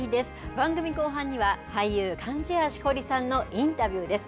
番組後半には、俳優、貫地谷しほりさんのインタビューです。